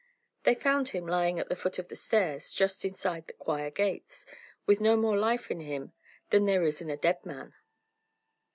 They found him lying at the foot of the stairs, just inside the choir gates, with no more life in him than there is in a dead man."